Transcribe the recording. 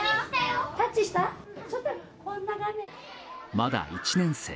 まだ１年生。